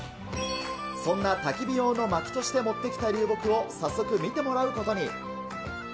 そんなたき火用のまきとして持ってきた流木を早速見てもらうことに。